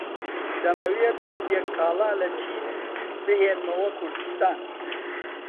دەمەوێت هەندێک کاڵا لە چین بهێنمەوە کوردستان.